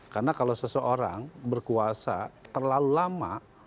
karena kalau seseorang berkuasa terlalu lama